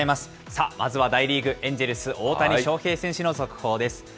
さあまずは大リーグ・エンジェルス、大谷翔平選手の速報です。